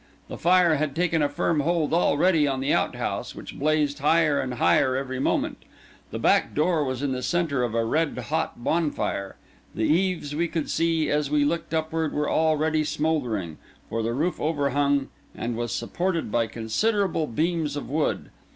The fire had taken a firm hold already on the outhouse, which blazed higher and higher every moment; the back door was in the centre of a red hot bonfire; the eaves we could see, as we looked upward, were already smouldering, for the roof overhung, and was supported by considerable beams of wood.